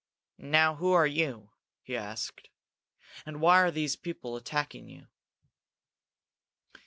"Now who are you?" he asked. "And why were those people attacking you?"